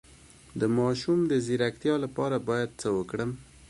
د ماشوم د ځیرکتیا لپاره باید څه وکړم؟